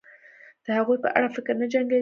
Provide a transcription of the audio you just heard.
د هغوی په اړه فکر نه جنګوي